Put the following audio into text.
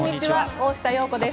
大下容子です。